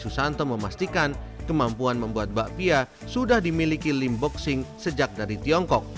susanto memastikan kemampuan membuat bakpia sudah dimiliki lim boxing sejak dari tiongkok